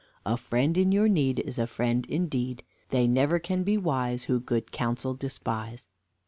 A friend in your need, Is a friend indeed. They never can be wise, Who good counsel despise.